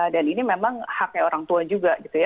dan ini memang haknya orang tua juga gitu ya